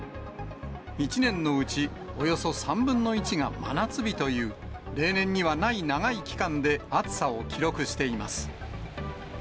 １年のうちおよそ３分の１が真夏日という、例年にはない長い期間で暑さを記録しています。